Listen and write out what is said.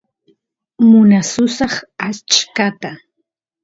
munasusaq achkata